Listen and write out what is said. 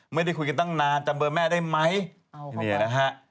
ไม่ได้คุยกันตั้งนานจำเบอร์แม่ได้ไหมเนี่ยนะฮะ